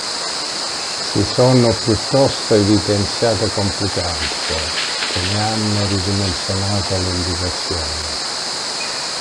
Si sono piuttosto evidenziate complicanze, che ne hanno ridimensionato le indicazioni.